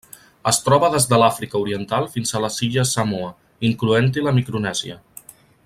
Es troba des de l'Àfrica Oriental fins a les illes Samoa, incloent-hi la Micronèsia.